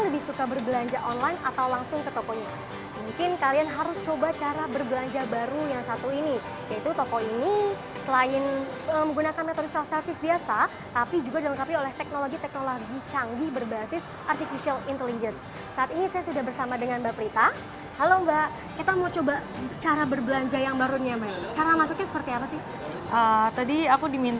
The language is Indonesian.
bagaimana pengalaman berbelanja online dan baru ini yuk kita simak di putani